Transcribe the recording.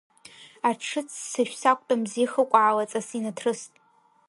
Аҽы ццышә сақәтәамзи хыкәаалаҵас инаҭрыст.